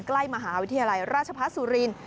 ใกล้มหาวิทยาลัยราชภพศุรินทร์